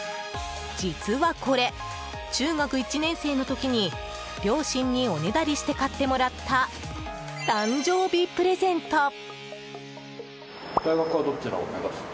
実はこれ、中学１年生の時に両親におねだりして買ってもらった誕生日プレゼント。